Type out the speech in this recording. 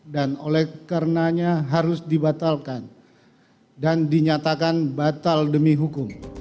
dan oleh karenanya harus dibatalkan dan dinyatakan batal demi hukum